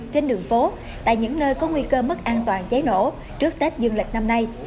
trên đường phố tại những nơi có nguy cơ mất an toàn cháy nổ trước tết dương lịch năm nay